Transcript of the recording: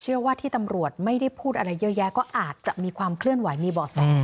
ว่าที่ตำรวจไม่ได้พูดอะไรเยอะแยะก็อาจจะมีความเคลื่อนไหวมีบ่อแส